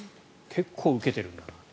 結構、受けてるんだなと。